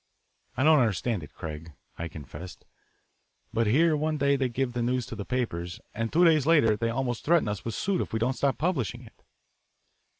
"I don't understand it, Craig;" I confessed, "but here one day they give the news to the papers, and two days later they almost threaten us with suit if we don't stop publishing it."